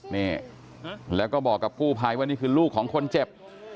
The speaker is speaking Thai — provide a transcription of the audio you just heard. นี่แล้วก็บอกกับกู้ภัยว่านี่คือลูกของคนเจ็บ